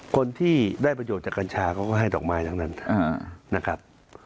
คนที่ได้ประโยชน์จากกัญชาเขาก็ให้ดอกไม้ทั้งนั้นนะครับ